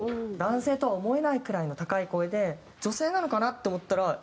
男性とは思えないくらいの高い声で女性なのかなって思ったら。